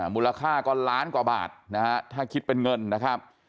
มูลค่าก็ล้านกว่าบาทนะฮะถ้าคิดเป็นเงินนะครับ